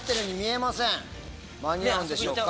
間に合うんでしょうか。